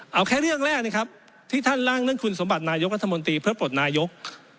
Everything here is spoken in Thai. เอาแค่เรื่องแรกนะครับที่ท่านร่างเรื่องคุณสมบัตินายกรัฐมนตรีเพื่อปลดนายก